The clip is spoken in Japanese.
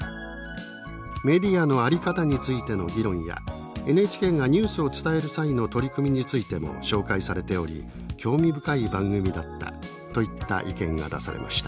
メディアの在り方についての議論やＮＨＫがニュースを伝える際の取り組みについても紹介されており興味深い番組だった」といった意見が出されました。